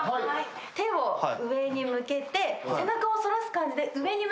手を上に向けて背中を反らす感じで上に向きます。